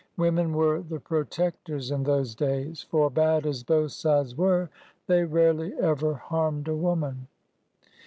Women were the protectors in those days ; for, bad as both sides were, they rarely ever harmed a woman.